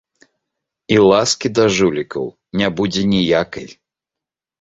І ласкі да жулікаў не будзе ніякай.